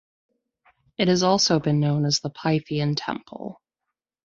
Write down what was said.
It has also been known as the Pythian Temple.